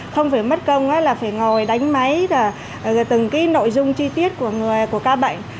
không phải mất công là phải ngồi đánh máy từng cái nội dung chi tiết của ca bệnh